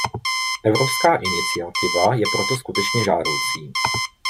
Evropská iniciativa je proto skutečně žádoucí.